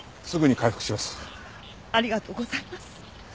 ありがとうございます。